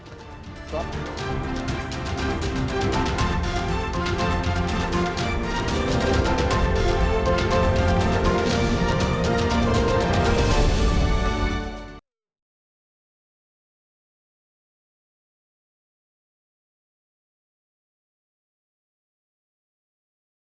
terima kasih bang manek